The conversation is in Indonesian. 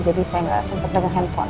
jadi saya tidak sempat dengar handphone